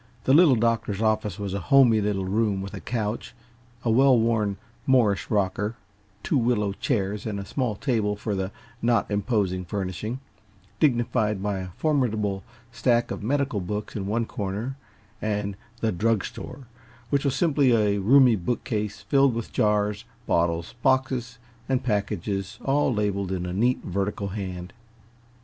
The Little Doctor's "office" was a homey little room, with a couch, a well worn Morris rocker, two willow chairs and a small table for the not imposing furnishing, dignified by a formidable stack of medical books in one corner, and the "drug store," which was simply a roomy bookcase filled with jars, bottles, boxes and packages, all labeled in a neat vertical hand.